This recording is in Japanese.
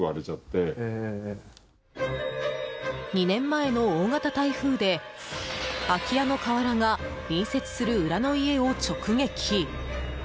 ２年前の大型台風で空き家の瓦が隣接する裏の家を直撃。